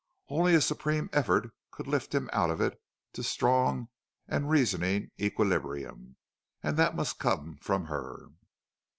Only a supreme effort could lift him out of it to strong and reasoning equilibrium, and that must come from her.